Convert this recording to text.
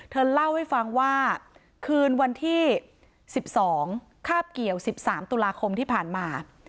เธอเล่าให้ฟังว่าคืนวันที่๑๒คาบเกี่ยว๑๓ตุลาคมที่ผ่านมา